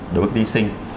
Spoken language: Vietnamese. đối với thí sinh